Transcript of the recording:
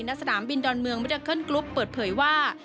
สนามบินดอนเมืองมิดาเคิลกรุ๊ปเปิดเผยว่า